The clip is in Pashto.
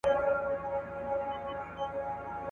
خبر دي راووړ د حریفانو .